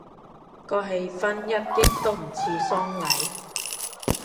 個氣氛一啲都唔似喪禮